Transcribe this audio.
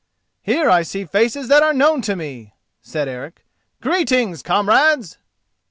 "Here I see faces that are known to me," said Eric. "Greetings, comrades!"